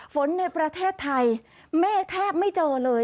ในประเทศไทยเมฆแทบไม่เจอเลย